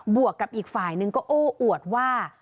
วกกับอีกฝ่ายนึงก็โอ้อวดว่า